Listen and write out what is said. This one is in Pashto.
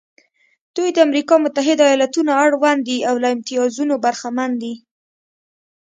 دوی د امریکا متحده ایالتونو اړوند دي او له امتیازونو برخمن دي.